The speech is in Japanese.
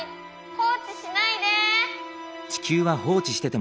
放置しないで。